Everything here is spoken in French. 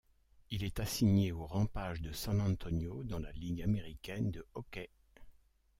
Il est assigné au Rampage de San Antonio dans la Ligue américaine de hockey.